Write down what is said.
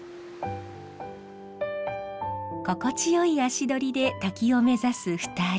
心地よい足取りで滝を目指す２人。